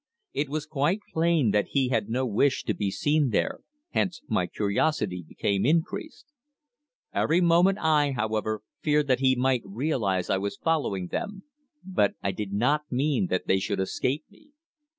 It was quite plain that he had no wish to be seen there, hence my curiosity became increased. Every moment I, however, feared that he might realize I was following them; but I did not mean that they should escape me.